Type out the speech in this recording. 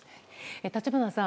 立花さん